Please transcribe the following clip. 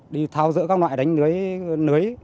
đi tháo rỡ các loại đánh lưới